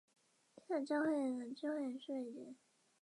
青岛教会的聚会人数锐减。